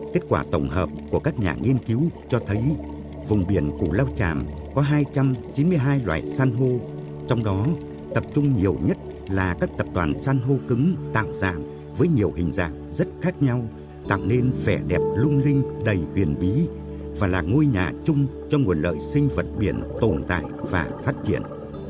kết quả tổng hợp của các nhà nghiên cứu cho thấy vùng biển củ lao chạm có hai trăm chín mươi hai loại san hô trong đó tập trung nhiều nhất là các tập toàn san hô cứng tạo dạng với nhiều hình dạng rất khác nhau tạo nên vẻ đẹp lung linh đầy quyền bí và là ngôi nhà chung cho nguồn lợi sinh vật biển tồn tại và phát triển